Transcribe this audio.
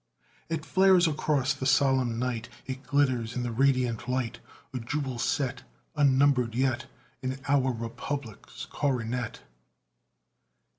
It flares across the solemn night, It glitters in the radiant light; A jewel set, Unnumbered yet, In our Republic's coronet!